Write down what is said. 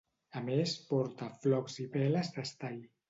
A més porta flocs i veles d'estai.